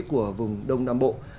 của vùng đông nam bộ